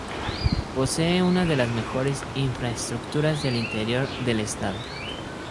Posee una de las mejores infraestructuras del interior del estado.